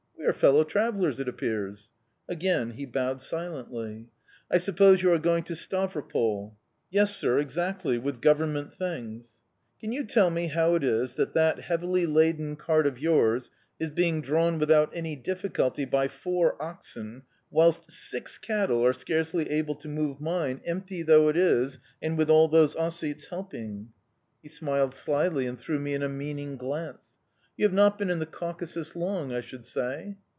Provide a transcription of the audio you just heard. "We are fellow travellers, it appears." Again he bowed silently. "I suppose you are going to Stavropol?" "Yes, sir, exactly with Government things." "Can you tell me how it is that that heavily laden cart of yours is being drawn without any difficulty by four oxen, whilst six cattle are scarcely able to move mine, empty though it is, and with all those Ossetes helping?" He smiled slyly and threw me a meaning glance. "You have not been in the Caucasus long, I should say?"